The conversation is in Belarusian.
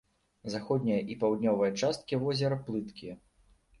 Заходняя і паўднёвая часткі возера плыткія.